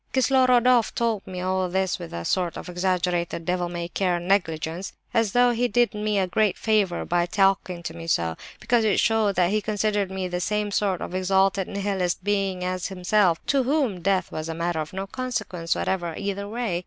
"Kislorodoff told me all this with a sort of exaggerated devil may care negligence, and as though he did me great honour by talking to me so, because it showed that he considered me the same sort of exalted Nihilistic being as himself, to whom death was a matter of no consequence whatever, either way.